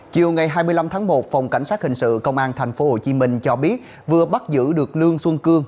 chiều ngày hai mươi năm tháng một phòng cảnh sát hình sự công an tp hcm cho biết vừa bắt giữ được lương xuân cương